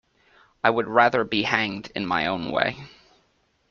I would rather be hanged in my own way.